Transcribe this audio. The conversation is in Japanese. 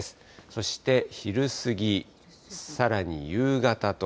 そして昼過ぎ、さらに夕方と。